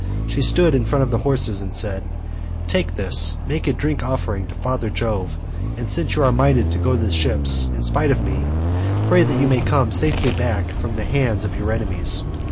She stood in front of the horses and said, "Take this, make a drink offering to father Jove, and since you are minded to go to the ships in spite of me, pray that you may come safely back from the hands of your enemies.